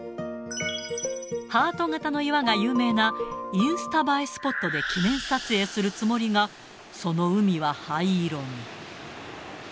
ハート形の岩が有名な、インスタ映えスポットで記念撮影するつもりが、その海は灰色に。